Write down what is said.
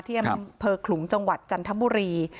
ที่อำเภอขลุงจังหวัดจันทบุรี